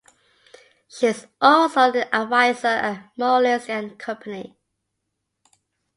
She is also an advisor at Moelis and Company.